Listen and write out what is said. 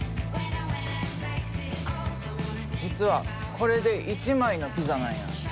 実はこれで１枚のピザなんや。